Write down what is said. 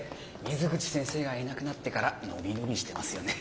水口先生がいなくなってから伸び伸びしてますよね。